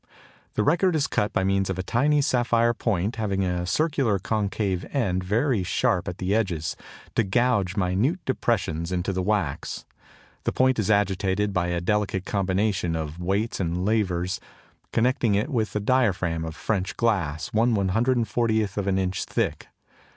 The record is cut by means of a tiny sapphire point having a circular concave end very sharp at the edges, to gouge minute depressions into the wax. The point is agitated by a delicate combination of weights and levers connecting it with a diaphragm of French glass 1/140 inch thick.